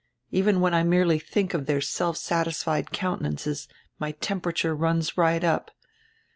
Even when I merely think of their self satisfied counte nances my temperature runs right up.